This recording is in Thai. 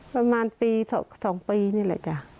ประมาณปี๒ปีนี่แหละจ้ะ